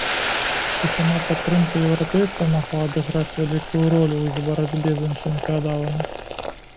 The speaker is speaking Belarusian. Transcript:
І сама падтрымка еўрапейцаў магла адыграць вялікую ролю ў іх барацьбе з іншымі феадаламі.